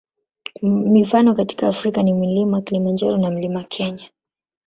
Mifano katika Afrika ni Mlima Kilimanjaro na Mlima Kenya.